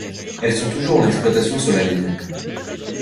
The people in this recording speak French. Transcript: Elles sont toujours en exploitation sur la ligne.